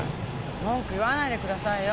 文句言わないでくださいよ。